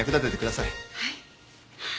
はい。